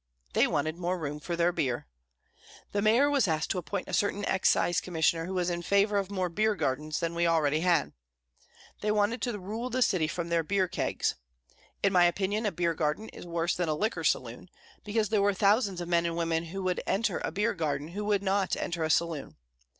They wanted more room for their beer. The mayor was asked to appoint a certain excise commissioner who was in favour of more beer gardens than we already had. They wanted to rule the city from their beer kegs. In my opinion, a beer garden is worse than a liquor saloon, because there were thousands of men and women who would enter a beer garden who would not enter a saloon.